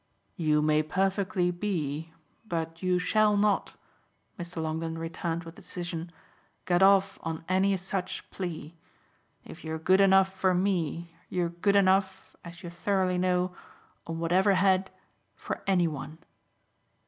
"You may perfectly be, but you shall not," Mr. Longdon returned with decision, "get off on any such plea. If you're good enough for me you're good enough, as you thoroughly know, on whatever head, for any one."